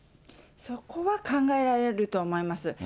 そこは考えられると思います。